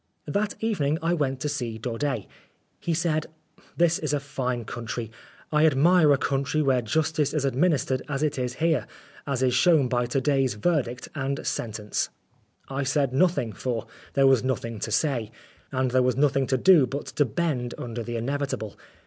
That evening I went to see Daudet. He said, "This is a fine country. I admire a country where justice is administered as it is 192 Oscar Wilde here, as is shown by to day's verdict and sentence." I said nothing, for there was nothing to say, and there was nothing to do but to bend under the inevitable.